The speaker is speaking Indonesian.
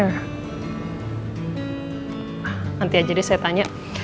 nanti aja deh saya tanya